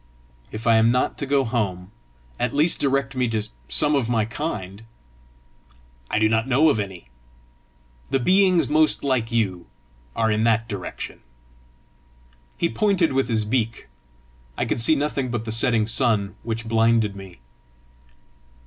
"If I am not to go home, at least direct me to some of my kind." "I do not know of any. The beings most like you are in that direction." He pointed with his beak. I could see nothing but the setting sun, which blinded me.